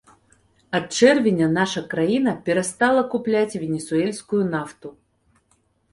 Ад чэрвеня наша краіна перастала купляць венесуэльскую нафту.